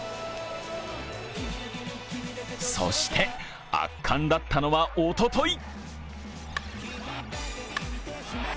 そして、圧巻だったのはおととい。